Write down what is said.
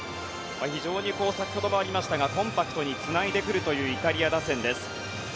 非常に先ほどもありましたがコンパクトにつないでくるというイタリア打線です。